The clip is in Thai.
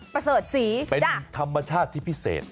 เป็นธรรมชาติที่พิเศษ